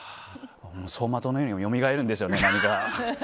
走馬灯のようによみがえるんですよね。